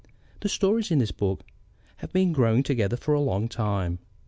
The stories in this book have been growing together for a long time.